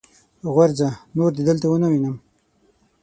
غورځه! نور دې دلته و نه وينم.